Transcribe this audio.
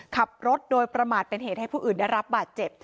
ขับรถโดยประมาทเป็นเหตุให้ผู้อื่นได้รับบาดเจ็บ